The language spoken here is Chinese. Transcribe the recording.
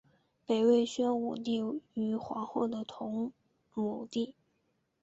北魏宣武帝于皇后的同母弟。